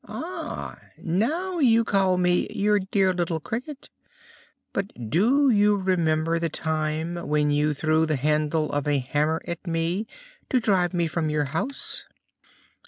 "Ah! now you call me 'Your dear little Cricket.' But do you remember the time when you threw the handle of a hammer at me, to drive me from your house?"